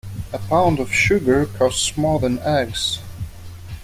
A pound of sugar costs more than eggs.